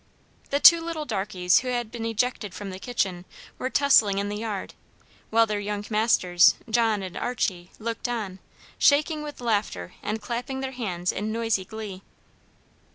The two little darkies who had been ejected from the kitchen, were tussling in the yard, while their young masters, John and Archie, looked on, shaking with laughter, and clapping their hands in noisy glee.